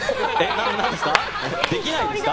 何ですか？